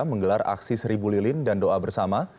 menggelar aksi seribu lilin dan doa bersama